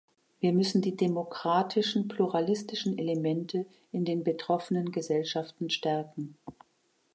Wir müssen die demokratischen pluralistischen Elemente in den betroffenen Gesellschaften stärken.